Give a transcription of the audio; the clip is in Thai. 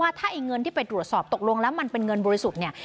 บอกแบบนี้ด้วยว่าถ้าเงินที่ไปตรวจสอบตกลงแล้วมันเป็นเงินบริสุทธิ์เนี่ย